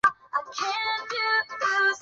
壸门过道顶有砖砌叠涩藻井。